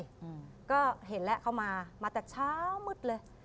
เขาก็เห็นแหละเข้ามามาแต่เช้ามืดเลย